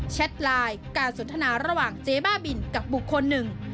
ไลน์การสนทนาระหว่างเจ๊บ้าบินกับบุคคลหนึ่ง